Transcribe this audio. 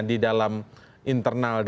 di dalam internal dpr sendiri